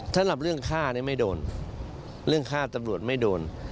สำหรับเรื่องฆ่าเรื่องฆ่าตำรวจไม่โดน